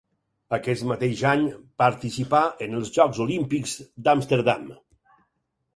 Aquest mateix any participà en els Jocs Olímpics d'Amsterdam.